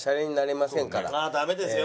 ダメですよ